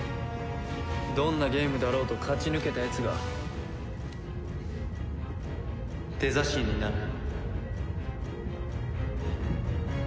どんなゲームだろうと勝ち抜けたやつがデザ神になる。